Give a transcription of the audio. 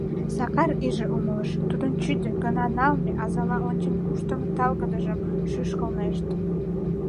Сакар иже умылыш: тудын чӱдӧ гына налме, азала ончен куштымо талгыдыжым шӱшкылнешт.